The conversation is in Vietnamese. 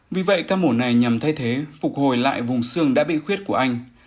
vì vậy ca mổ này nhằm thay thế phục hồi lại vùng xương đã bị khuyết của anh